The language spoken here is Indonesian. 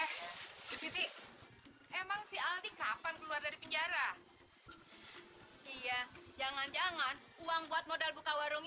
ibu siti emang si aldi kapan keluar dari penjara iya jangan jangan uang buat modal buka warung